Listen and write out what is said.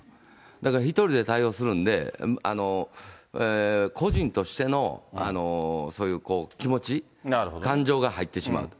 だから１人で対応するんで、個人としてのそういう気持ち、感情が入ってしまうと。